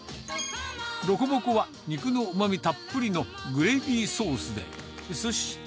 ロコモコは肉のうまみたっぷりのグレービーソースで。